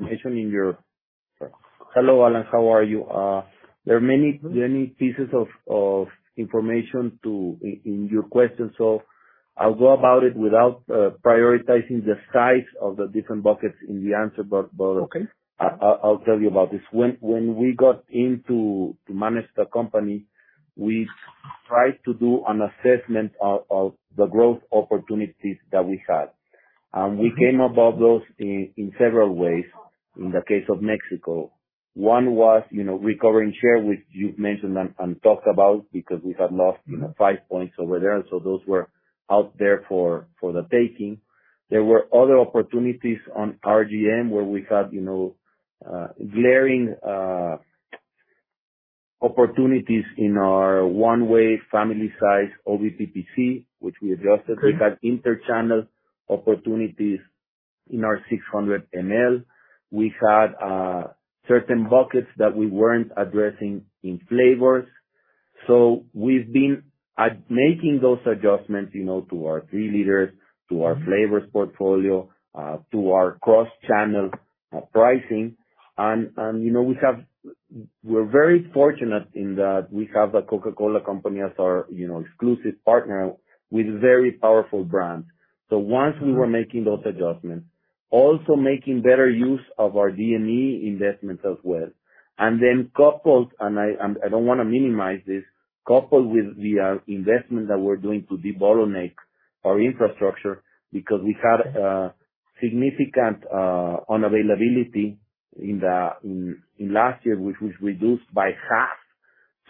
Especially in your. Hello, Alan, how are you? There are many, many pieces of information in, in your question, so I'll go about it without prioritizing the size of the different buckets in the answer. But, but- Okay. I'll tell you about this. When we got in to manage the company, we tried to do an assessment of the growth opportunities that we had. We came about those in several ways. In the case of Mexico, one was, you know, recovering share, which you've mentioned and talked about, because we had lost, you know, five points over there, so those were out there for the taking. There were other opportunities on RGM where we had, you know, glaring opportunities in our one-way family size, OBPC, which we adjusted. Okay. We had interchannel opportunities in our 600 ml. We had certain buckets that we weren't addressing in flavors. So we've been at making those adjustments, you know, to our 3 Ls, to our flavors portfolio, to our cross-channel pricing. And you know, we're very fortunate in that we have the Coca-Cola Company as our, you know, exclusive partner with very powerful brands. So once we were making those adjustments, also making better use of our D&E investments as well. And then coupled, and I don't want to minimize this, coupled with the investment that we're doing to debottleneck our infrastructure, because we had significant unavailability in last year, which was reduced by half.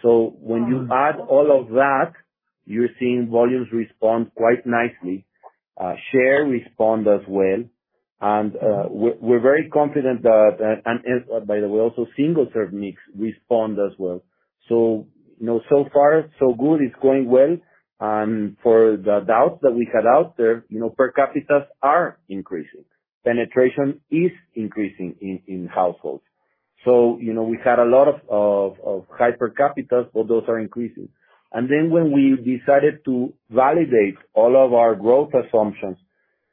So when you add all of that, you're seeing volumes respond quite nicely. Share respond as well. And we're very confident that, and by the way, also, single serve mix respond as well. So, you know, so far so good, it's going well. And for the doubts that we had out there, you know, per capitas are increasing, penetration is increasing in households. So, you know, we had a lot of high per capitas, but those are increasing. And then when we decided to validate all of our growth assumptions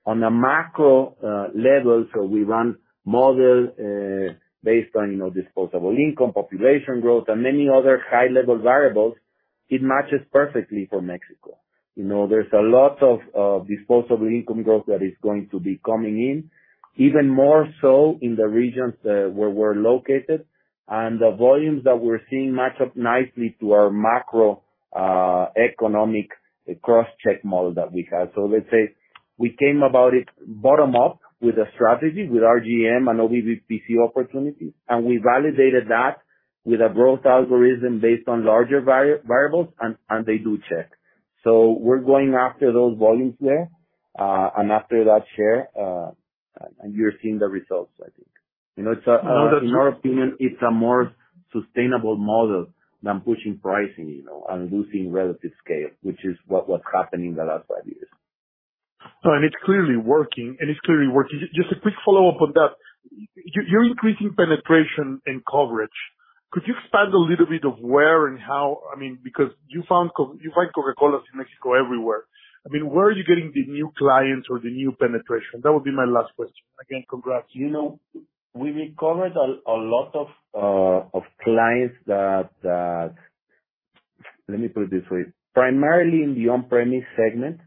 on a macro level, so we run models based on, you know, disposable income, population growth, and many other high-level variables, it matches perfectly for Mexico. You know, there's a lot of disposable income growth that is going to be coming in, even more so in the regions where we're located. The volumes that we're seeing match up nicely to our macro economic cross-check model that we have. So let's say we came about it bottom up with a strategy, with RGM and OBPC opportunity, and we validated that with a growth algorithm based on larger variables, and they do check. So we're going after those volumes there, and after that share, and you're seeing the results, I think. You know, it's in our opinion, it's a more sustainable model than pushing pricing, you know, and losing relative scale, which is what was happening in the last five years. So, and it's clearly working, and it's clearly working. Just a quick follow-up on that. You're increasing penetration and coverage. Could you expand a little bit of where and how? I mean, because you find Coca-Cola in Mexico everywhere. I mean, where are you getting the new clients or the new penetration? That would be my last question. Again, congrats. You know, we recovered a lot of clients that, let me put it this way, primarily in the on-premise segment-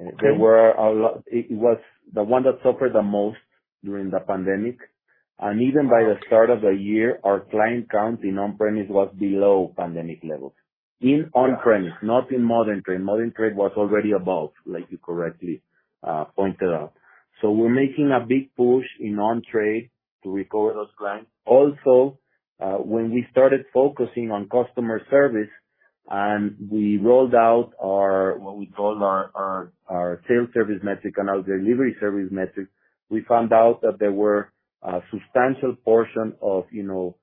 Okay. There were a lot. It was the one that suffered the most during the pandemic. And even by the start of the year, our client count in on-premise was below pandemic level. In on-premise, not in modern trade. Modern trade was already above, like you correctly pointed out. So we're making a big push in on trade to recover those clients. Also, when we started focusing on customer service and we rolled out our, what we call our field service metric and our delivery service metric. We found out that there were a substantial portion of, you know,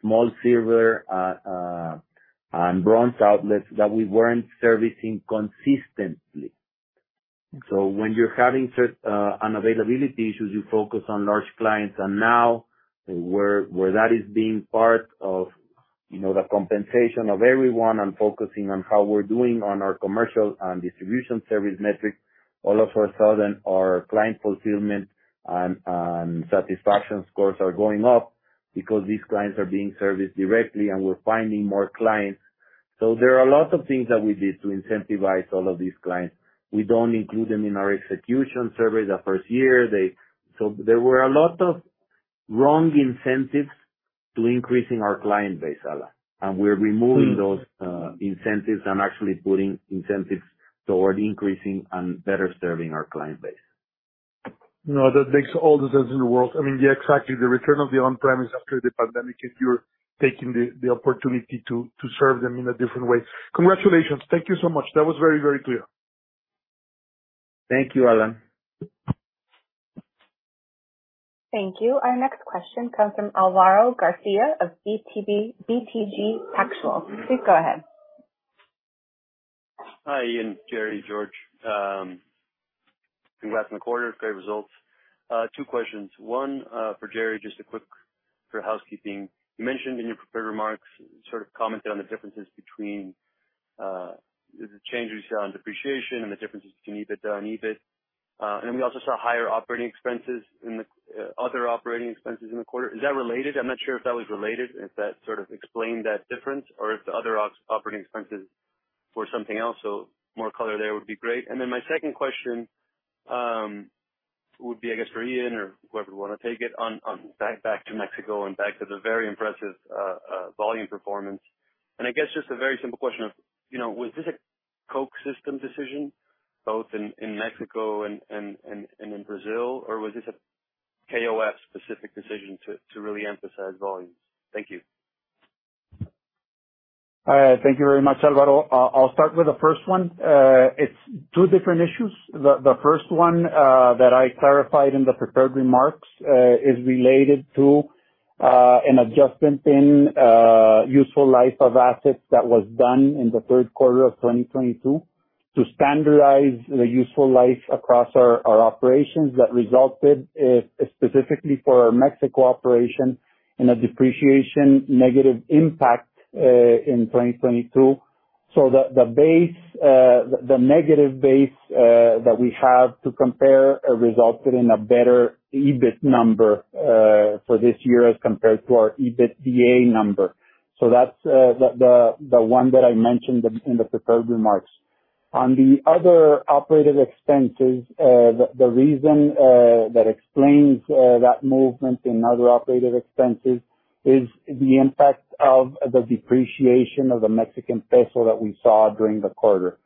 small silver and bronze outlets that we weren't servicing consistently. So when you're having certain unavailability issues, you focus on large clients, and now where that is being part of, you know, the compensation of everyone and focusing on how we're doing on our commercial and distribution service metrics, all of a sudden, our client fulfillment and satisfaction scores are going up because these clients are being serviced directly, and we're finding more clients. So there are a lot of things that we did to incentivize all of these clients. We don't include them in our execution survey the first year. So there were a lot of wrong incentives to increasing our client base, Alan, and we're removing those incentives and actually putting incentives toward increasing and better serving our client base. No, that makes all the sense in the world. I mean, yeah, exactly. The return of the on-premise after the pandemic, if you're taking the opportunity to serve them in a different way. Congratulations. Thank you so much. That was very, very clear. Thank you, Alan. Thank you. Our next question comes from Álvaro García of BTG Pactual. Please go ahead. Hi, Ian, Gerry, Jorge. Congrats on the quarter. Great results. Two questions. One, for Gerry, just a quick for housekeeping. You mentioned in your prepared remarks, sort of commented on the differences between the changes on depreciation and the differences between EBITDA and EBIT. And we also saw higher operating expenses in the other operating expenses in the quarter. Is that related? I'm not sure if that was related, if that sort of explained that difference, or if the other operating expenses were something else. So more color there would be great. And then my second question would be, I guess, for Ian or whoever would want to take it on, on back to Mexico and back to the very impressive volume performance. And I guess just a very simple question of, you know, was this a Coke system decision, both in Mexico and in Brazil, or was this a KOF specific decision to really emphasize volumes? Thank you. Thank you very much, Álvaro. I'll, I'll start with the first one. It's two different issues. The first one that I clarified in the prepared remarks is related to an adjustment in useful life of assets that was done in the third quarter of 2022, to standardize the useful life across our operations that resulted, specifically for our Mexico operation, in a depreciation negative impact in 2022. So the base, the negative base that we have to compare resulted in a better EBIT number for this year as compared to our EBITDA number. So that's the one that I mentioned in the prepared remarks. On the other operative expenses, the, the reason that explains that movement in other operative expenses is the impact of the depreciation of the Mexican peso that we saw during the quarter.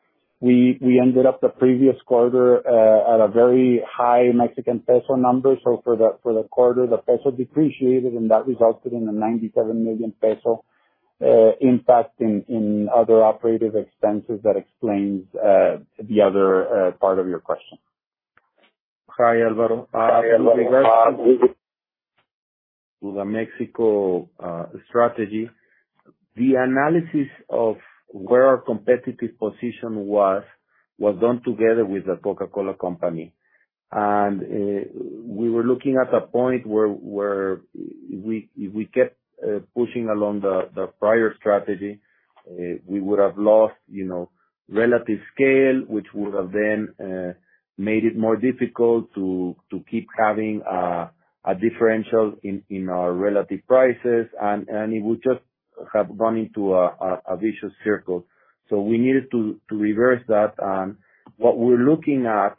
We, we ended up the previous quarter at a very high Mexican peso number. So for the, for the quarter, the peso depreciated, and that resulted in a 97 million peso impact in, in other operative expenses. That explains the other part of your question. Hi, Álvaro. With regards to the Mexico strategy, the analysis of where our competitive position was was done together with the Coca-Cola Company. We were looking at a point where if we kept pushing along the prior strategy, we would have lost, you know, relative scale, which would have then made it more difficult to keep having a differential in our relative prices. And it would just have gone into a vicious circle. So we needed to reverse that. And what we're looking at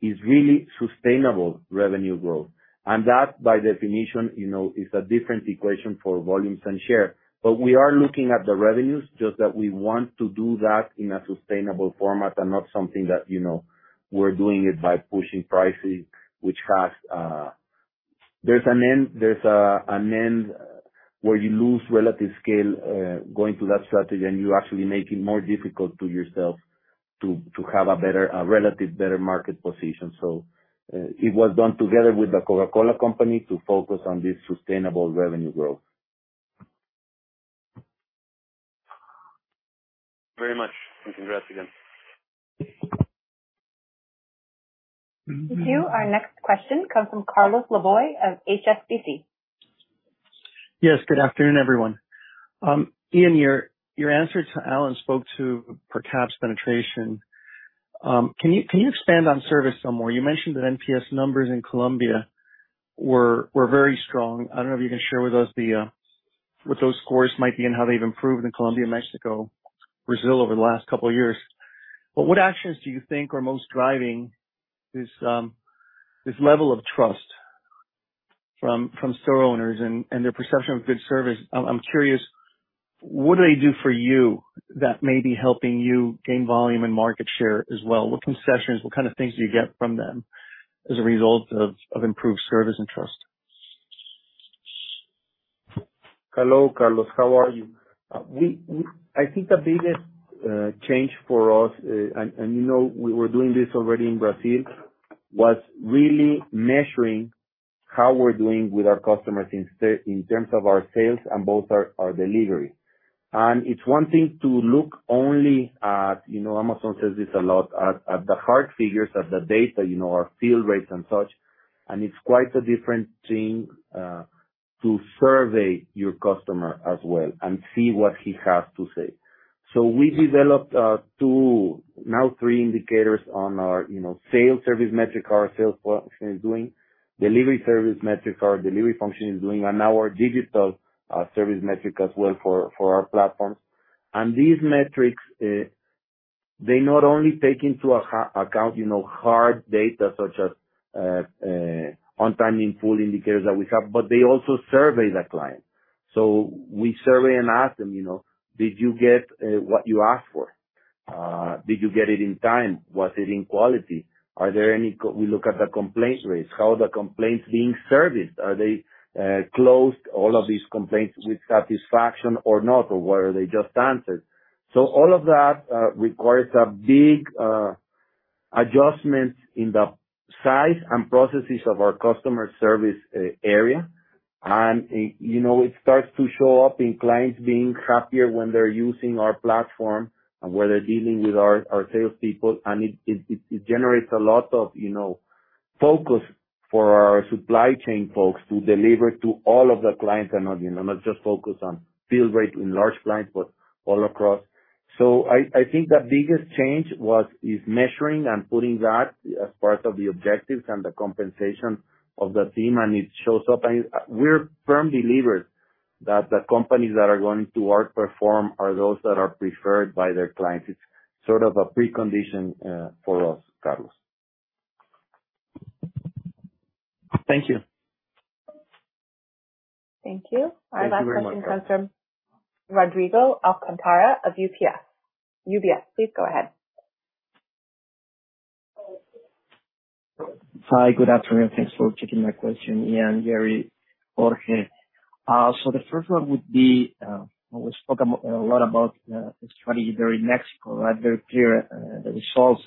is really sustainable revenue growth. And that, by definition, you know, is a different equation for volumes and share. But we are looking at the revenues, just that we want to do that in a sustainable format and not something that, you know, we're doing it by pushing pricing, which has. There's an end, there's an end where you lose relative scale, going to that strategy, and you're actually making more difficult to yourself to have a better, a relative, better market position. So, it was done together with the Coca-Cola Company to focus on this sustainable revenue growth. Very much, and congrats again. Thank you. Our next question comes from Carlos Laboy of HSBC. Yes, good afternoon, everyone. Ian, your answer to Alan spoke to per caps penetration. Can you expand on service some more? You mentioned that NPS numbers in Colombia were very strong. I don't know if you can share with us what those scores might be and how they've improved in Colombia, Mexico, Brazil over the last couple of years. But what actions do you think are most driving this level of trust from store owners and their perception of good service? I'm curious, what do they do for you that may be helping you gain volume and market share as well? What concessions, what kind of things do you get from them as a result of improved service and trust? Hello, Carlos, how are you? I think the biggest change for us, and you know, we were doing this already in Brazil, was really measuring how we're doing with our customers in terms of our sales and both our delivery. And it's one thing to look only at, you know, Amazon says this a lot, at the hard figures, at the data, you know, our fill rates and such, and it's quite a different thing to survey your customer as well and see what he has to say. So we developed 2, now 3 indicators on our, you know, sales service metric, our sales function is doing, delivery service metric, our delivery function is doing, and now our digital service metric as well for our platforms. These metrics, they not only take into account, you know, hard data such as on time in full indicators that we have, but they also survey the client. So we survey and ask them, you know, "Did you get what you asked for? Did you get it in time? Was it in quality? Are there any complaints?" We look at the complaint rates, how are the complaints being serviced? Are they closed, all of these complaints, with satisfaction or not, or were they just answered? So all of that requires a big adjustment in the size and processes of our customer service area. And, you know, it starts to show up in clients being happier when they're using our platform and when they're dealing with our salespeople. It generates a lot of, you know, focus for our supply chain folks to deliver to all of the clients and not, you know, not just focus on fill rate in large clients, but all across. So I think the biggest change is measuring and putting that as part of the objectives and the compensation of the team, and it shows up. We're firm believers that the companies that are going to outperform are those that are preferred by their clients. It's sort of a precondition for us, Carlos. Thank you. Thank you. Thank you very much. Our next question comes from Rodrigo Alcantara of UBS. Please go ahead. Hi, good afternoon, and thanks for taking my question, Ian, Gerardo, Jorge. So the first one would be, we spoke a lot about the strategy there in Mexico, right? Very clear, the results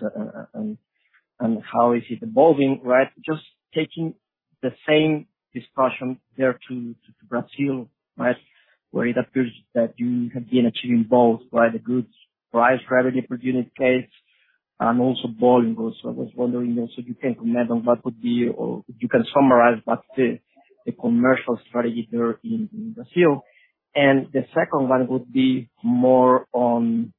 and how is it evolving, right? Just taking the same discussion there to Brazil, right, where it appears that you have been achieving both by the goods, price, revenue per unit case, and also volume also. I was wondering also if you can comment on what would be or if you can summarize what the commercial strategy there in Brazil. And the second one would be more on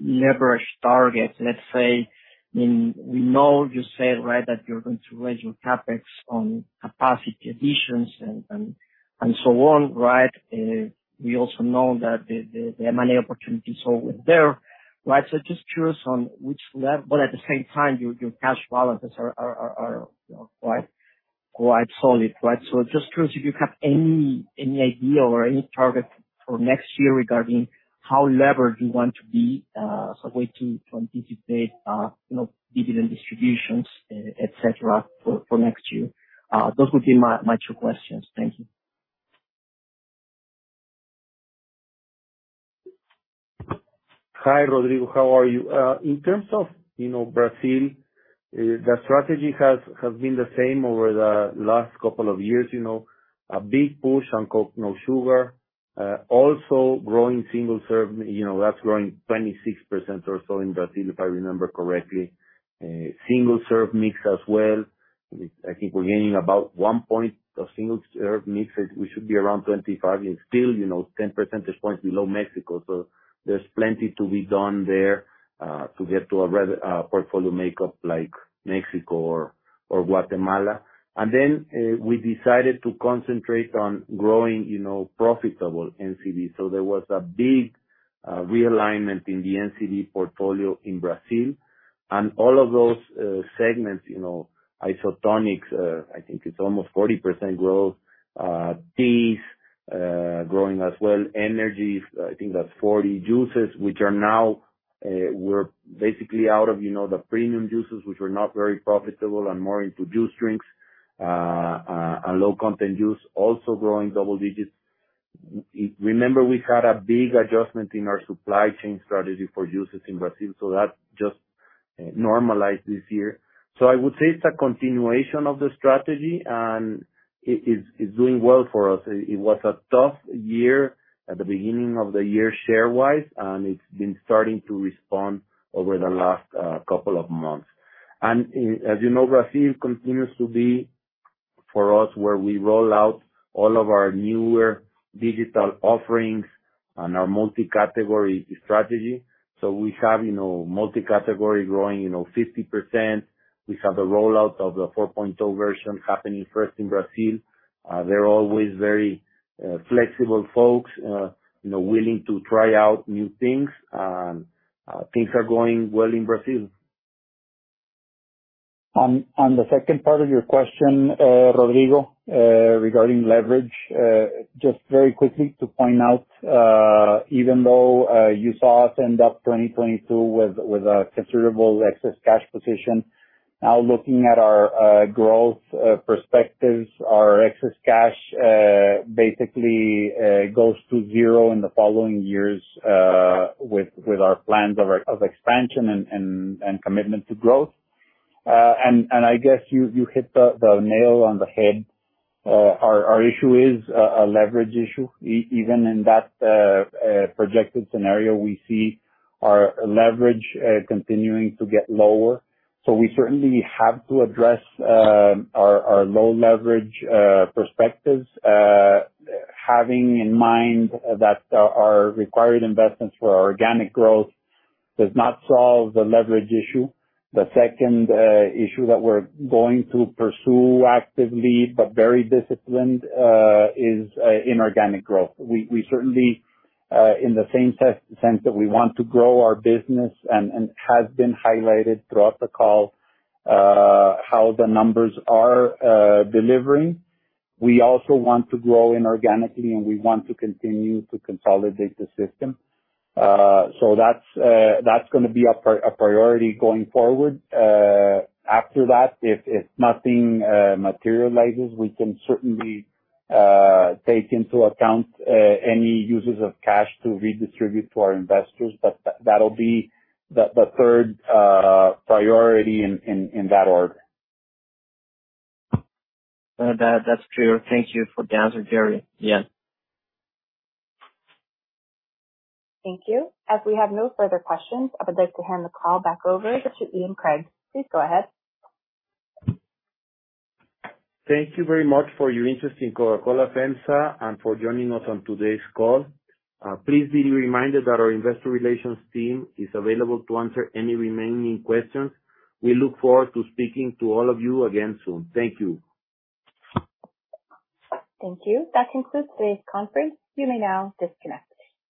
leverage targets. Let's say, we know you said, right, that you're going to raise your CapEx on capacity additions and so on, right? We also know that the money opportunity is always there, right? So just curious on which level, but at the same time, your cash balances are, you know, quite solid, right? So just curious if you have any idea or any target for next year regarding how levered you want to be, so way to anticipate, you know, dividend distributions, et cetera, for next year. Those would be my two questions. Thank you. Hi, Rodrigo, how are you? In terms of, you know, Brazil, the strategy has, has been the same over the last couple of years, you know, a big push on Coke No Sugar. Also growing single serve, you know, that's growing 26% or so in Brazil, if I remember correctly. Single serve mix as well. I think we're gaining about one point of single serve mix. We should be around 25 and still, you know, 10 percentage points below Mexico. So there's plenty to be done there, to get to a portfolio makeup like Mexico or Guatemala. And then, we decided to concentrate on growing, you know, profitable NCD. So there was a big realignment in the NCD portfolio in Brazil and all of those segments, you know, isotonics, I think it's almost 40% growth, teas growing as well. Energies, I think that's 40. Juices, which are now we're basically out of, you know, the premium juices, which were not very profitable and more into juice drinks and low-content juice also growing double digits. Remember, we had a big adjustment in our supply chain strategy for juices in Brazil, so that just normalized this year. So I would say it's a continuation of the strategy, and it is, it's doing well for us. It was a tough year at the beginning of the year, share-wise, and it's been starting to respond over the last couple of months. As you know, Brazil continues to be for us where we roll out all of our newer digital offerings and our multi-category strategy. So we have, you know, multi-category growing, you know, 50%. We have the rollout of the 4.0 version happening first in Brazil. They're always very flexible folks, you know, willing to try out new things. Things are going well in Brazil. On the second part of your question, Rodrigo, regarding leverage, just very quickly to point out, even though you saw us end 2022 with a considerable excess cash position. Now, looking at our growth perspectives, our excess cash basically goes to zero in the following years, with our plans of expansion and commitment to growth. And I guess you hit the nail on the head. Our issue is a leverage issue. Even in that projected scenario, we see our leverage continuing to get lower. So we certainly have to address our low leverage perspectives, having in mind that our required investments for our organic growth does not solve the leverage issue. The second issue that we're going to pursue actively, but very disciplined, is inorganic growth. We certainly, in the same sense that we want to grow our business and has been highlighted throughout the call, how the numbers are delivering. We also want to grow inorganically, and we want to continue to consolidate the system. So that's gonna be a priority going forward. After that, if nothing materializes, we can certainly take into account any uses of cash to redistribute to our investors, but that'll be the third priority in that order. That, that's clear. Thank you for the answer, Gary. Yeah. Thank you. As we have no further questions, I would like to hand the call back over to Ian Craig. Please go ahead. Thank you very much for your interest in Coca-Cola FEMSA, and for joining us on today's call. Please be reminded that our investor relations team is available to answer any remaining questions. We look forward to speaking to all of you again soon. Thank you. Thank you. That concludes today's conference. You may now disconnect.